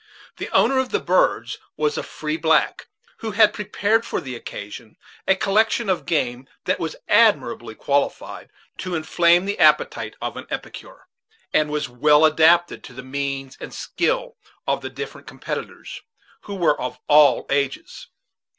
The owner of the birds was a free black, who had prepared for the occasion a collection of game that was admirably qualified to inflame the appetite of an epicure, and was well adapted to the means and skill of the different competitors, who were of all ages.